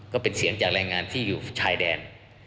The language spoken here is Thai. ก็เป็นเสียงจากแรงงานที่อยู่ชายแดน